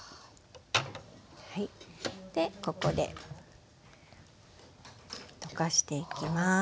ここで溶かしていきます。